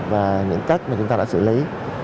và những cách mà chúng ta đã xử lý